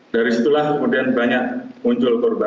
dari situlah kemudian banyak muncul korban